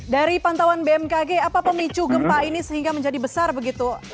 dari pantauan bmkg apa pemicu gempa ini sehingga menjadi besar begitu